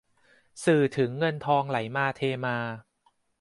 สื่อถึงเงินทองไหลมาเทมา